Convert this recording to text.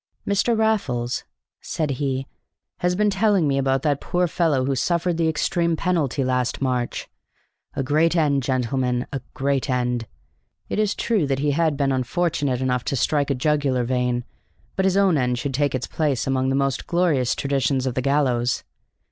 "Mr. Raffles," said he, "has been telling me about that poor fellow who suffered the extreme penalty last March. A great end, gentlemen, a great end! It is true that he had been unfortunate enough to strike a jugular vein, but his own end should take its place among the most glorious traditions of the gallows.